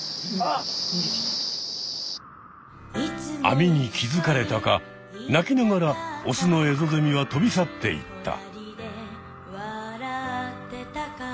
網に気付かれたか鳴きながらオスのエゾゼミは飛び去っていった。